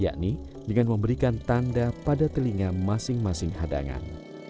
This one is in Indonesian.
yakni dengan memberikan tanda pada telinga masing masing hadangan